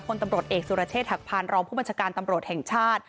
ตำรวจเอกสุรเชษฐหักพานรองผู้บัญชาการตำรวจแห่งชาติ